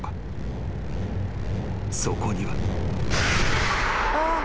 ［そこには］